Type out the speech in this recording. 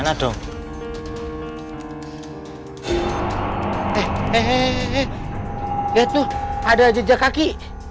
lihat tuh ada jejak kaki